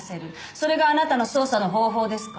それがあなたの捜査の方法ですか？